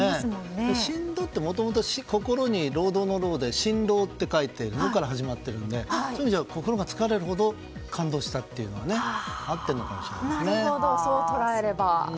しんどはもともと心に労働の労で「心労」って書くところから始まっているのでそういう意味じゃ心が疲れるほど感動したというのでは合っているかもしれませんね。